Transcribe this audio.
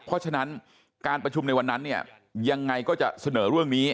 เพราะฉะนั้นการประชุมในวันนั้นเนี่ยยังไงก็จะเสนอเรื่องนี้